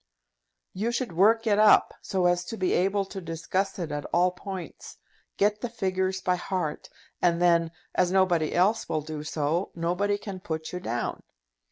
"You should work it up, so as to be able to discuss it at all points. Get the figures by heart, and then, as nobody else will do so, nobody can put you down.